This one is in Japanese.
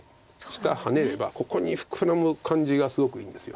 下ハネればここにフクラむ感じがすごくいいんです。